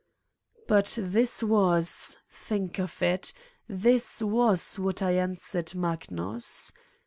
But this was think of it! this was what I answered Magnus.